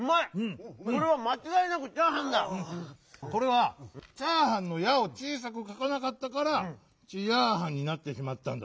これは「チャーハン」の「ヤ」をちいさくかかなかったから「チヤーハン」になってしまったんだな。